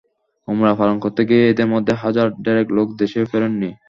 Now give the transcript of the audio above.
ওমরাহ পালন করতে গিয়ে এঁদের মধ্যে হাজার দেড়েক লোক দেশে ফেরেননি।